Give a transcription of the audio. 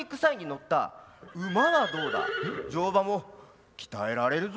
乗馬も鍛えられるぞ。